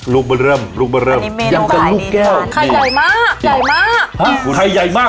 ลุกมาเริ่มลุกมาเริ่มยังแต่ลุกแก้วเนี้ยขายใหญ่มาก